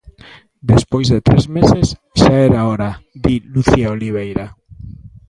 Despois de tres meses xa era hora, di Lucía Oliveira.